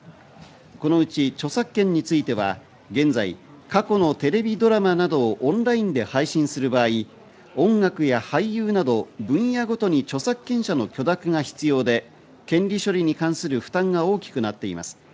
このうち著作権については、現在、過去のテレビドラマなどをオンラインで配信する場合、音楽や俳優など分野ごとに著作権者の許諾が必要で権利処理に関する負担が大きくなっています。